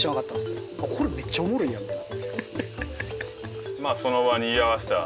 これめっちゃおもろいやん！みたいな。